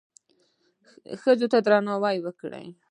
ښځو ته درناوی وکړئ